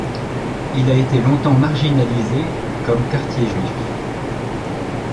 Il a été longtemps marginalisé comme quartier juif.